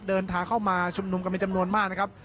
เดินทางเข้ามาชุมนุมกันเป็นจำนวนมากนะครับ